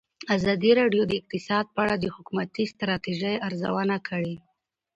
ازادي راډیو د اقتصاد په اړه د حکومتي ستراتیژۍ ارزونه کړې.